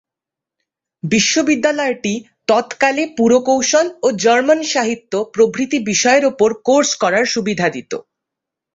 বিশ্ববিদ্যালয়টি তৎকালে পুরকৌশল ও জার্মান সাহিত্য প্রভৃতি বিষয়ের ওপর কোর্স করার সুবিধা দিত।